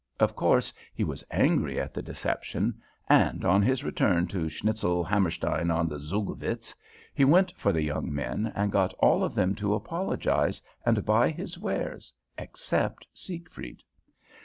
Of course he was angry at the deception, and on his return to Schnitzelhammerstein on the Zugvitz he sent for the young men, and got all of them to apologize and buy his wares except Siegfried.